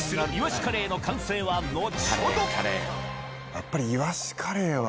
やっぱり。